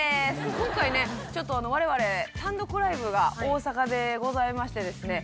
今回ちょっと我々単独ライブが大阪でございましてですね